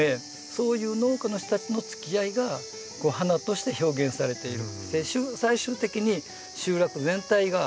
そういう農家の人たちのつきあいが花として表現されている。